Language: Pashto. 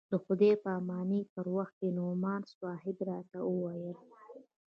د خداى پاماني پر وخت نعماني صاحب راته وويل.